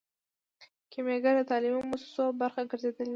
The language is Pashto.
کیمیاګر د تعلیمي موسسو برخه ګرځیدلی دی.